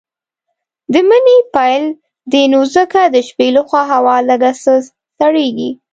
د مني پيل دی نو ځکه د شپې لخوا هوا لږ څه سړييږي.